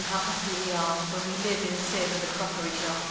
How happy we are When we live in a sieve and a crockery jar!